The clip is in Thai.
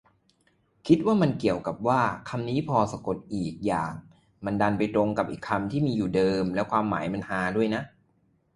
คิดว่ามันเกี่ยวกับว่า คำนี้พอสะกดอีกอย่าง มันดันไปตรงกับอีกคำที่มีอยู่เดิม แล้วความหมายมันฮาด้วยน่ะ